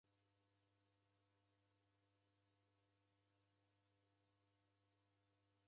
Kwaki chonda chape chafungwa na irasi?